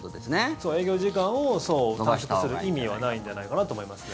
そう、営業時間を短縮する意味はないんじゃないかなと思いますね。